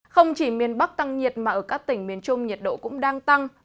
không chỉ miền bắc tăng nhiệt mà ở các tỉnh miền trung nhiệt độ cũng đang tăng